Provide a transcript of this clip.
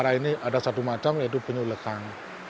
penyu yang satu macam yaitu penyu lekang